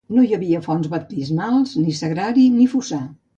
No hi havia fonts baptismals, ni sagrari, ni fossar.